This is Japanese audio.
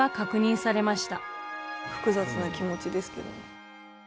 複雑な気持ちですけどね。